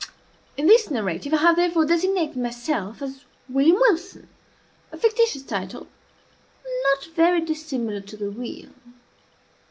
In this narrative I have therefore designated myself as William Wilson, a fictitious title not very dissimilar to the real.